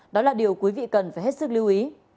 đó là điều quý vị cần phải hết sức lưu ý